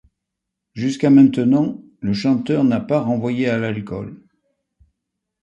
Jusqu'à maintenant, le chanteur n'a pas renvoyé à l'alcool.